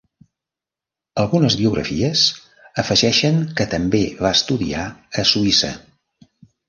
Algunes biografies afegeixen que també va estudiar a Suïssa.